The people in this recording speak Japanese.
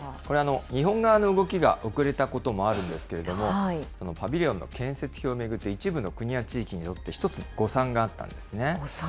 日本側の動きが遅れたこともあるんですけれども、パビリオンの建設費を巡って、一部の国や地域によって１つの誤算があったんですね。